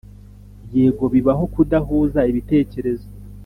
yego bibaho kudahuza ibitekerezo,